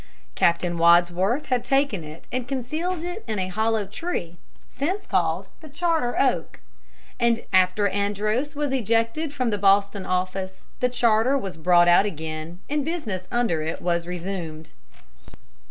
Captain Wadsworth had taken it and concealed it in a hollow tree, since called the Charter Oak. After Andros was ejected from the Boston office, the charter was brought out again, and business under it was resumed.